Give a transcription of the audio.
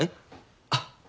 あっ。